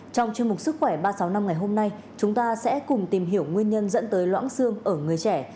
trong chương mục sức khỏe ba trăm sáu mươi năm ngày hôm nay chúng ta sẽ cùng tìm hiểu nguyên nhân dẫn tới loãng xương ở người trẻ